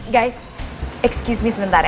guys excuse mie sebentar ya